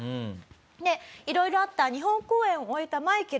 で色々あった日本公演を終えたマイケル。